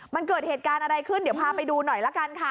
มันเกิดเหตุการณ์อะไรขึ้นเดี๋ยวพาไปดูหน่อยละกันค่ะ